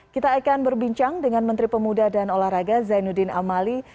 kita akan berbincang dengan menteri pemuda dan olahraga zainuddin amali